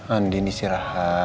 andi ini si rahat